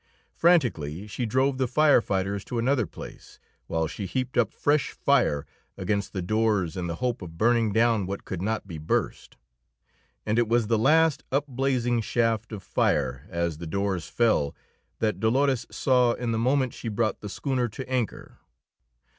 Frantically she drove the fire fighters to another place, while she heaped up fresh fire against the doors in the hope of burning down what could not be burst. And it was the last up blazing shaft of fire as the doors fell that Dolores saw in the moment she brought the schooner to anchor.